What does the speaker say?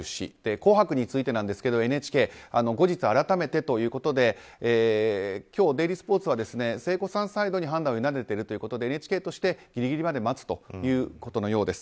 「紅白」についてですがＮＨＫは後日改めてということで今日デイリースポーツは聖子さんサイドに判断を委ねているということでＮＨＫとしてギリギリまで待つということのようです。